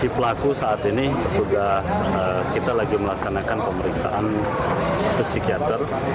si pelaku saat ini sudah kita lagi melaksanakan pemeriksaan psikiater